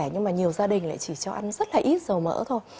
nhưng mà nhiều gia đình lại chỉ cho ăn rất là ít dầu mỡ thôi